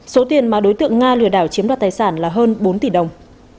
số tiền mà đối tượng nga lừa đảo chiếm đoạt tài sản là hơn bốn tỷ đồng